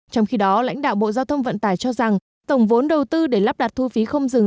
trong khi đó lãnh đạo bộ giao thông vận tải cho rằng tổng vốn đầu tư để lắp đặt thu phí không dừng